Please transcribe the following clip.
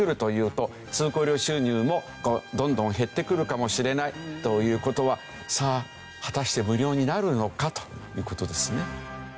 とりわけ人口が減ってくるというと通行料収入もどんどん減ってくるかもしれないという事はさあ果たして無料になるのか？という事ですね。